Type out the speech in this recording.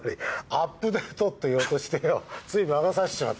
「アップデート」って言おうとしてよつい魔が差しちまった。